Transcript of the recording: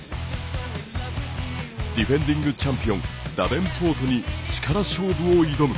ディフェンディングチャンピオンダベンポートに力勝負を挑む。